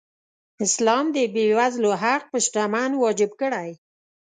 اسلام د بېوزلو حق په شتمن واجب کړی.